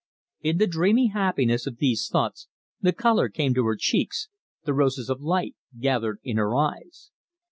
In the dreamy happiness of these thoughts the colour came to her cheeks, the roses of light gathered in her eyes.